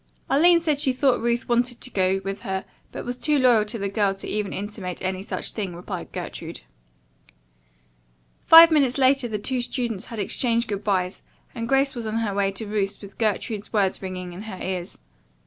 "Arline said she thought Ruth wanted to go with her, but was too loyal to the other girl to even intimate any such thing," replied Gertrude. Five minutes later the two students had exchanged good byes and Grace was on her way to Ruth's with Gertrude's words ringing in her ears.